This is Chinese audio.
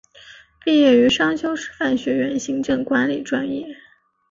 毕业于商丘师范学院行政管理专业。